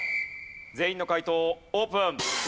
全員の解答オープン。